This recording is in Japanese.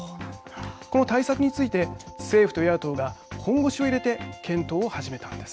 この対策について政府と与野党が本腰を入れて検討を始めたんです。